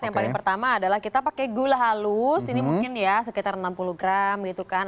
yang paling pertama adalah kita pakai gula halus ini mungkin ya sekitar enam puluh gram gitu kan